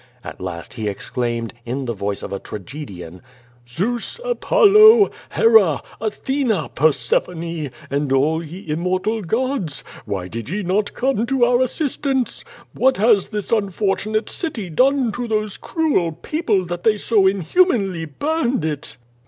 At last he exclaimed, in the voice of a tragedian: "Zeus, Apollo, Hera, Athene, Persephone, and all ye im mortal gods, why did ye not come to our assistance? What has this unfortunate city done to those cruel people that they so inhumanly burned it?"